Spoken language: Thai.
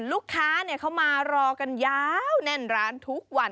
ลูกค้าเขามารอกันยาวแน่นร้านทุกวัน